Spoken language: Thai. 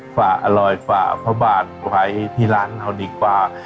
ฝ่าอร่อยฝ่าพระบาทไว้ที่ร้านเราดีกว่า